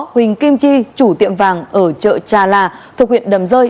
huỳnh kim chi chủ tiệm vàng ở chợ trà là thuộc huyện đầm rơi